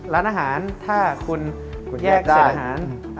ร้านอาหารถ้าคุณแยกเศษอาหาร